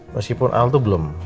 meskipun al tuh belum